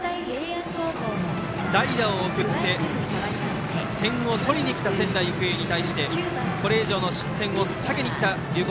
代打を送って、点を取りに来た仙台育英に対してこれ以上の失点を避けにきた龍谷